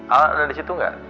al ada disitu gak